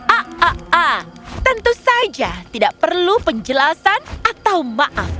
ah ah ah tentu saja tidak perlu penjelasan atau maaf